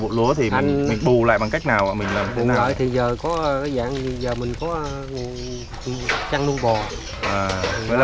vụ lúa thì mình bù lại bằng cách nào mình làm thế nào thì giờ có dạng giờ mình có chăn nuôi bò là